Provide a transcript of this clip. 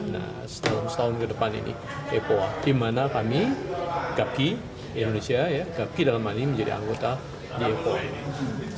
nah setahun ke depan ini epoa di mana kami gapki indonesia gapki dalam maknanya menjadi anggota di epoa ini